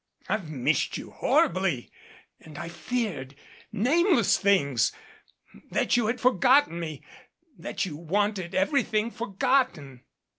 I've missed you horribly 275 _ MADCAP _. ind I feared nameless things that you had forgotten me, that you wanted everything forgotten."